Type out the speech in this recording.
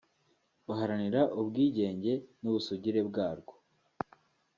baharanira ubwigenge n’ubusugire bwarwo